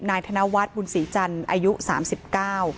นายธนวัฒน์บุญศรีจันทร์อายุสามสิบเก้า